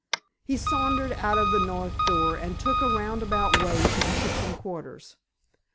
He sauntered out of the north door and took a roundabout way to the kitchen quarters.